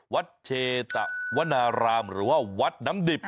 วัดเชตะวนารามหรือว่าวัดน้ำดิบ